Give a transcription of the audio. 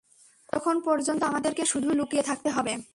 ততক্ষণ পর্যন্ত আমাদেরকে শুধু লুকিয়ে থাকতে হবে।